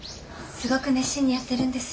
すごく熱心にやってるんです。